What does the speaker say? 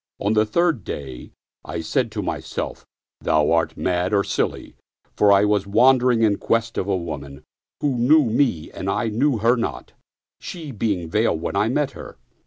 On the third day I said to myself, " Thou art mad or silly "; for I was wander ing in quest of a woman who knew me and I knew her not, she being veiled when I met her.